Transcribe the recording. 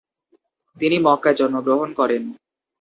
তিনি মক্কায় জন্মগ্রহণ করেন।